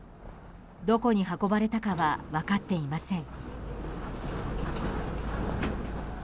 どこに運ばれたかは分かっていません。